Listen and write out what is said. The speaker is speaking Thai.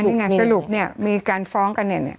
นี่ไงสรุปนี่มีการฟ้องกันอย่างนี้